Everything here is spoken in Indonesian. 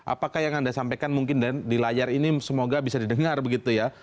apakah yang anda sampaikan mungkin di layar ini semoga bisa didengar begitu ya